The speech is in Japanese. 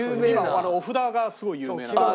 お札がすごい有名なとこ。